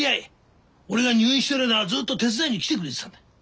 俺が入院してる間ずっと手伝いに来てくれてたんだ。